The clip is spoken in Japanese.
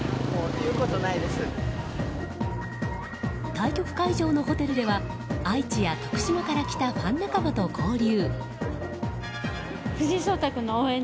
対局会場のホテルでは愛知や徳島から来たファン仲間と合流。